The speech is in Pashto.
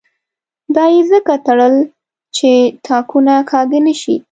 دا یې ځکه تړل چې تاکونه کاږه نه شي.